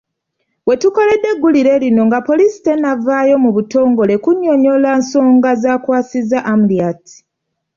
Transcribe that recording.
We tukoledde eggulire lino nga poliisi tennavaayo mu butongole kunnyonnyola nsonga zaakwasizza Amuriat.